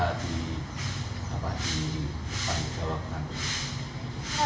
jadi dari keterangan dokter itu adalah yang bersifat objektif dan bisa dijawabkan